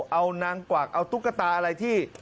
เอานางกวักเอาตุ๊กตาอะไรที่